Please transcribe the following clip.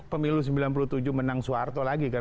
pemilu sembilan puluh tujuh menang soeharto lagi kan